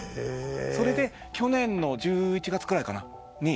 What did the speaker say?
それで去年の１１月くらいかな？